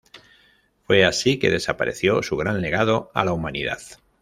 Fue así que desapareció su gran legado a la humanidad.